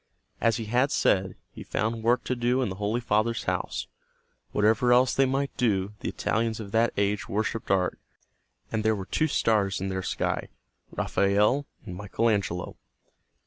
As he had said, he found work to do in the Holy Father's house. Whatever else they might do, the Italians of that age worshiped art, and there were two stars in their sky, Raphael and Michael Angelo.